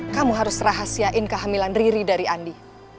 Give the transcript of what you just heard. kamu harus rahasiain kehamilan riri dari andi